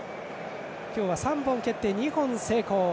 今日は３本蹴って２本成功。